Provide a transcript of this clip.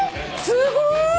すごーい！